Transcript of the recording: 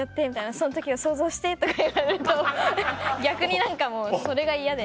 その時を想像して」とか言われると逆に何かもうそれが嫌で。